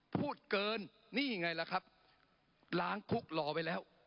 พูดเกินนี่ไงล่ะครับล้างคุกรอไว้แล้ว